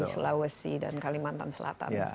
sulawesi dan kalimantan selatan